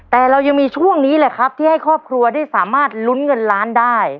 แต่เรายังมีช่วงนี้แหละครับที่ให้ครอบครัวได้สามารถลุ้นเงินล้านได้